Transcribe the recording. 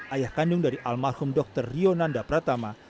ayah kandung dari almarhum dr rio nanda pratama